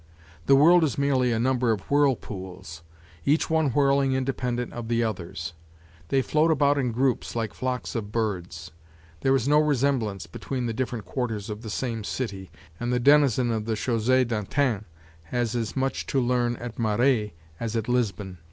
The world is merely a number of whirlpools, each one whirling independent of the others; they float about in groups like flocks of birds. There is no resemblance between the different quarters of the same city, and the denizen of the Chausee d'Antin has as much to learn at Marais as at Lisbon.